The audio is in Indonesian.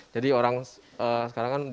jadi itu yang kami inginkan